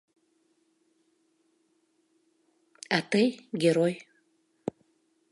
А тый — герой!